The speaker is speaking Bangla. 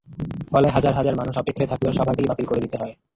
ফলে হাজার হাজার মানুষ অপেক্ষায় থাকলেও সভাটাই বাতিল করে দিতে হয়।